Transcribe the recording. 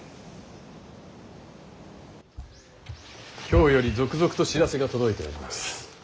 京より続々と知らせが届いております。